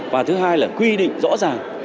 và thứ hai là quy định rõ ràng